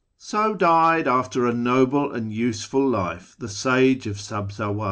^ So died, after a noble and useful life, the Sage of Sabzawi'ir.